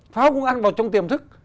pháo cũng ăn vào trong tiềm thức